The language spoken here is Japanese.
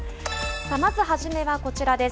さあ、まず初めはこちらです。